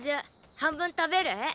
半分食べる？